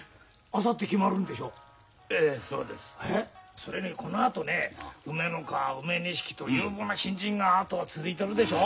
それにこのあとね梅ノ川梅錦と有望な新人が後を続いてるでしょ？